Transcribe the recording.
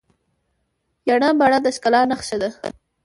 ینه بڼه د ښکلا نخښه ده.